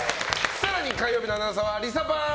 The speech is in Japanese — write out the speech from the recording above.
更に、火曜日のアナウンサーはリサパン！